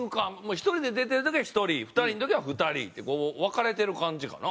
１人で出てる時は１人２人の時は２人ってこう分かれてる感じかな。